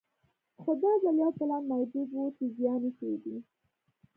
خو دا ځل یو پلان موجود و چې زیان وڅېړي.